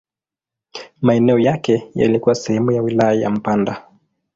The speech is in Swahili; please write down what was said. Maeneo yake yalikuwa sehemu ya wilaya ya Mpanda.